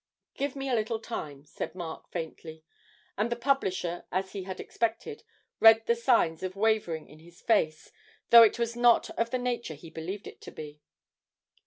'Give me a little time,' said Mark faintly, and the publisher, as he had expected, read the signs of wavering in his face, though it was not of the nature he believed it to be.